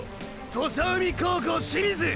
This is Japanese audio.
土佐海高校清水！！